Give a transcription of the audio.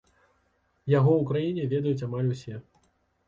Яго ў краіне ведаюць амаль усе.